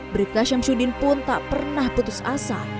bribka syamsuddin pun tak pernah putus asa